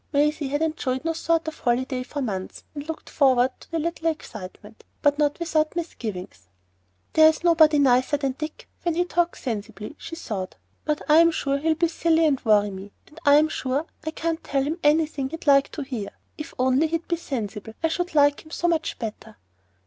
Maisie had enjoyed no sort of holiday for months and looked forward to the little excitement, but not without misgivings. "There's nobody nicer than Dick when he talks sensibly, she thought, but I'm sure he'll be silly and worry me, and I'm sure I can't tell him anything he'd like to hear. If he'd only be sensible, I should like him so much better."